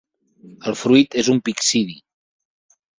El fruit és un pixidi.